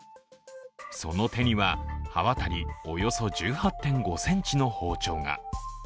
その手には、刃渡りおよそ１８．５ｃｍの包丁が。